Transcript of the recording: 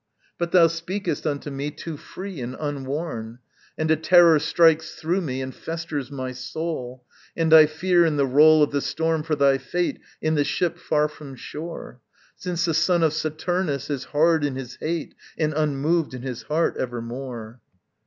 But thou speakest unto me Too free and unworn; And a terror strikes through me And festers my soul And I fear, in the roll Of the storm, for thy fate In the ship far from shore: Since the son of Saturnus is hard in his hate And unmoved in his heart evermore.